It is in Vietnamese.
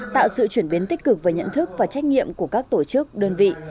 tạo sự chuyển biến tích cực về nhận thức và trách nhiệm của các tổ chức đơn vị